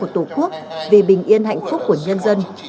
tổ quốc vì bình yên hạnh phúc của nhân dân